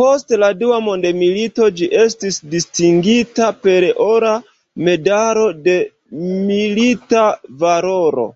Post la Dua mondmilito ĝi estis distingita per ora medalo de "milita valoro".